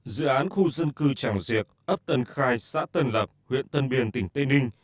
dự án khu dân cư tràng diệp ấp tân khai xã tân lập huyện tân biên tỉnh tây ninh